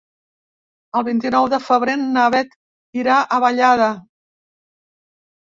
El vint-i-nou de febrer na Beth irà a Vallada.